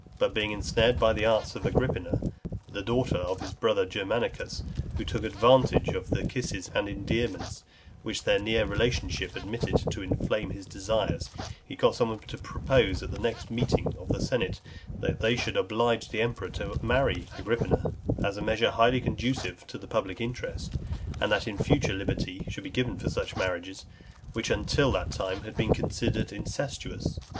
But being ensnared by the arts of Agrippina, (320) the daughter of his brother Germanicus, who took advantage of the kisses and endearments which their near relationship admitted, to inflame his desires, he got some one to propose at the next meeting of the senate, that they should oblige the emperor to marry Agrippina, as a measure highly conducive to the public interest; and that in future liberty should be given for such marriages, which until that time had been considered incestuous.